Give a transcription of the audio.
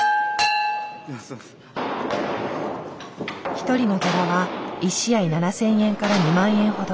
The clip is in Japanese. １人のギャラは１試合７，０００円から２万円ほど。